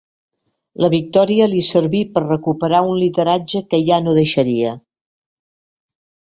La victòria li serví per recuperar un lideratge que ja no deixaria.